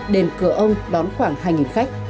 đền cửa ông đón khoảng hai khách